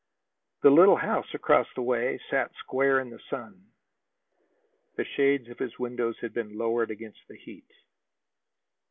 The little house across the way sat square in the sun. The shades of his windows had been lowered against the heat.